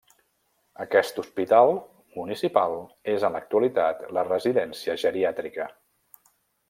Aquest hospital municipal és, en l'actualitat, la Residència Geriàtrica.